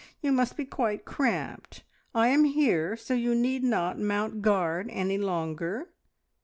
You must be quite cramped. I am here, so you need not mount guard any longer."